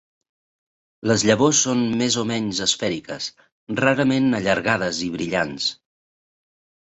Les llavors són més o menys esfèriques, rarament allargades i brillants.